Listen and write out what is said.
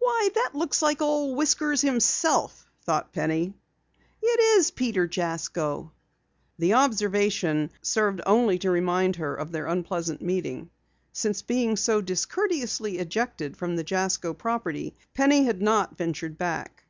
"Why, that looks like Old Whiskers himself," thought Penny. "It is Peter Jasko." The observation served only to remind her of their unpleasant meeting. Since being so discourteously ejected from the Jasko property Penny had not ventured back.